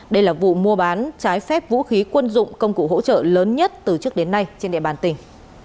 đây là vụ mua bán trái phép vũ khí quân dụng công cụ hỗ trợ lớn nhất từ trước đến nay trên địa bàn tỉnh